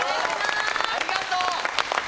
ありがとう！